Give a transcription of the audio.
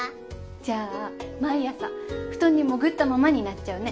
じゃあ毎朝布団に潜ったままになっちゃうね。